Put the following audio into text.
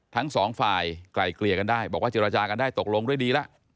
ทั้งสองฝ่ายไกลเกลี่ยกันได้บอกว่าเจรจากันได้ตกลงด้วยดีแล้ว